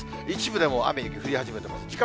一部でもう雨、雪、降り始めています。